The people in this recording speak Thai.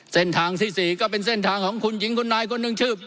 เส้นทางที่๔ก็เป็นเส้นทางของคุณหญิงคนนายคนหนึ่งชื่อ